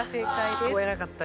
聞こえなかった。